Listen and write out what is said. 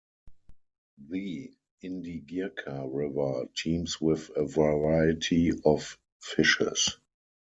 The Indigirka River teems with a variety of fishes.